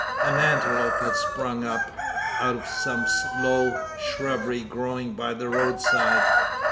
An antelope had sprung up, out of some low shrubbery growing by the roadside.